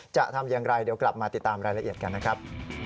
จะทำอย่างไรเดี๋ยวกลับมาติดตามรายละเอียดกันนะครับ